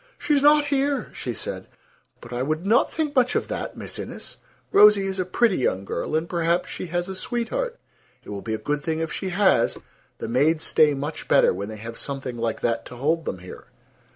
"She's not here," she said; "but I would not think much of that, Miss Innes. Rosie is a pretty young girl, and perhaps she has a sweetheart. It will be a good thing if she has. The maids stay much better when they have something like that to hold them here."